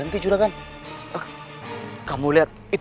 aku akan selamatkan ibu